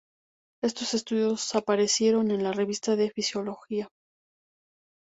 Estos estudios aparecieron en la "Revista de Fisiología".